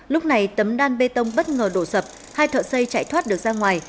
lúc này tấm đan bê tông bất ngờ đổ sập hai thợ xây chạy thoát được ra ngoài